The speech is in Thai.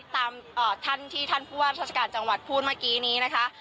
ตามท่านที่ท่านผู้ว่าราชการจังหวัดพูดเมื่อกี้นี้นะคะ